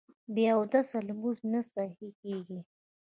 بې اودسه لمونځ نه صحیح کېږي